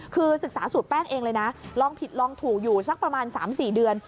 คือศึกษาสูตรแป้งเองเลยนะลองผิดลองถูกอยู่สักประมาณ๓๔เดือน